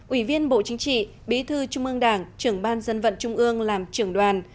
ủy viên bộ chính trị bí thư trung ương đảng trưởng ban dân vận trung ương làm trưởng đoàn